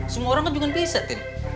semua orang kan juga bisa tim